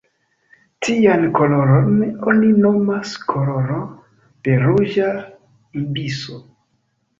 Tian koloron oni nomas koloro de ruĝa ibiso.